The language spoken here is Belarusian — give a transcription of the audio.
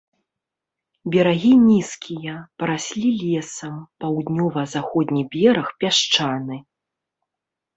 Берагі нізкія, параслі лесам, паўднёва-заходні бераг пясчаны.